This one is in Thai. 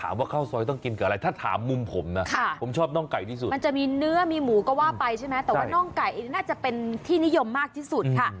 มันจะมีเนื้อมีหมูก็ว่าไปใช่ไหมแต่ว่าน่องไก่นี่น่าจะเป็นที่นิยมมากที่สุดค่ะ